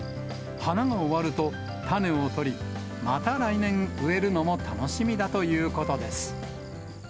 花が終わると、種を取り、また来年、植えるのも楽しみだということです。